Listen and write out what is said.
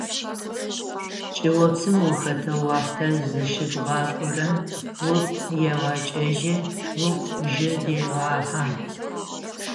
ЧӀыопсым ухэтэу уахътэр зыщыбгъакӏорэм упкъ егъэкӀэжьы, угу жьы дегъэхьэ.